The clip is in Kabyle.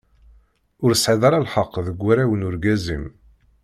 Ur tesɛiḍ ara lḥeq deg warraw n urgaz-im.